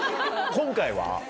今回は？